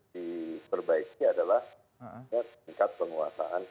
diperbaiki adalah tingkat penguasaan